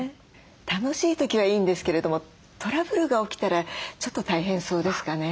楽しい時はいいんですけれどもトラブルが起きたらちょっと大変そうですかね？